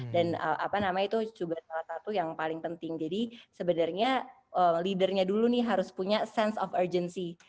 apa namanya itu juga salah satu yang paling penting jadi sebenarnya leadernya dulu nih harus punya sense of urgency